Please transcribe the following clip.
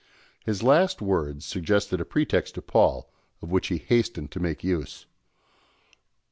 His last words suggested a pretext to Paul, of which he hastened to make use.